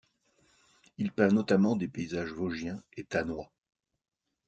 Il peint notamment des paysages vosgiens et thannois.